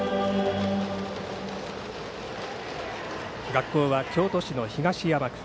学校は京都市の東山区。